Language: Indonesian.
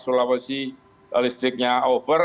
sulawesi listriknya over